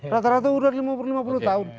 rata rata udah lima puluh tahun